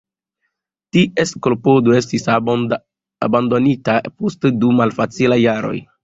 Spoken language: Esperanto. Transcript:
Ties klopodo estis abandonita post du malfacilaj jaroj.